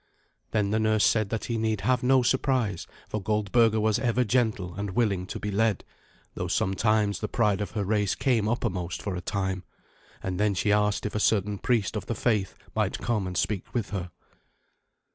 Then the nurse said that he need have no surprise, for Goldberga was ever gentle and willing to be led, though sometimes the pride of her race came uppermost for a time. And then she asked if a certain priest of the faith might come and speak with her.